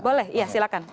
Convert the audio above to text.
boleh ya silahkan